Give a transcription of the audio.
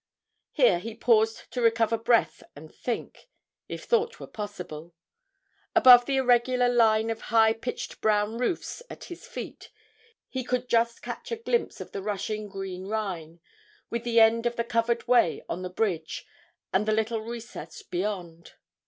Here he paused to recover breath and think, if thought was possible. Above the irregular line of high pitched brown roofs at his feet he could just catch a glimpse of the rushing green Rhine, with the end of the covered way on the bridge and the little recess beyond.